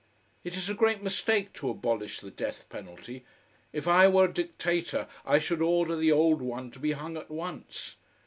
It is a great mistake to abolish the death penalty. If I were dictator, I should order the old one to be hung at once.